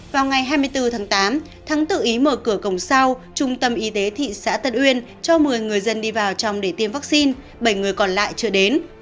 vào ngày hai mươi bốn tháng tám thắng tự ý mở cửa cổng sau trung tâm y tế thị xã tân uyên cho một mươi người dân đi vào trong để tiêm vaccine bảy người còn lại chưa đến